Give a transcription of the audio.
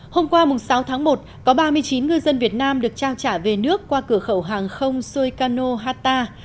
hôm qua sáu tháng một có ba mươi chín ngư dân việt nam được trao trả về nước qua cửa khẩu hàng không soikano hata